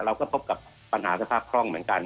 เราก็พบกับปัญหาสภาพคล่องเหมือนกัน